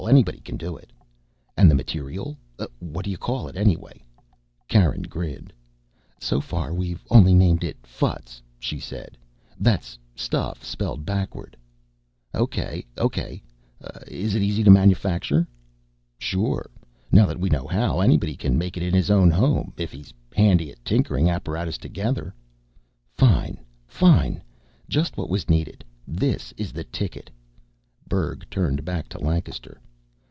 Anybody can do it." "And the material what do you call it, anyway?" Karen grinned. "So far, we've only named it ffuts," she said. "That's 'stuff' spelled backward." "Okay, okay. It's easy to manufacture?" "Sure. Now that we know how, anybody can make it in his own home if he's handy at tinkering apparatus together." "Fine, fine! Just what was needed. This is the ticket." Berg turned back to Lancaster.